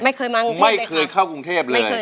ไม่เคยมากรุงเทพไม่เคยเข้ากรุงเทพเลย